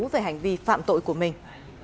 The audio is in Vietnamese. về hành vi phạm tội của mình